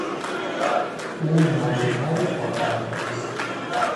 او مظهر پاکدامنی است.